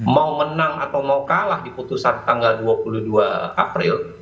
mau menang atau mau kalah di putusan tanggal dua puluh dua april